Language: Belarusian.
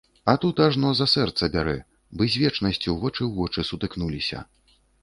А тут ажно за сэрца бярэ, бы з вечнасцю вочы ў вочы сутыкнуліся.